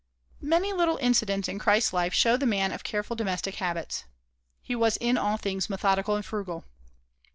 Many little incidents in Christ's life show the man of careful domestic habits. He was in all things methodical and frugal.